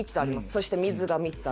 そして水が３つあります。